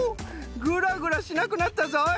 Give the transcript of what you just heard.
グラグラしなくなったぞい。